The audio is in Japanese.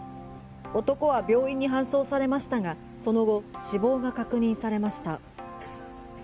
男は病院に搬送されましたがその後、死亡が確認されました。